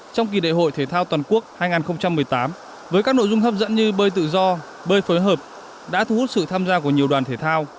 trong kỳ đại hội thể thao toàn quốc hai nghìn một mươi tám với các nội dung hấp dẫn như bơi tự do bơi phối hợp đã thu hút sự tham gia của nhiều đoàn thể thao